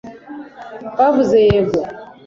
bavuze yego